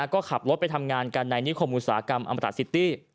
ก็ขับรถไปทำงานกันในนิคมอุตสาหกรรมอำตราซิตี้